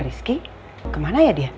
risky kemana ya dia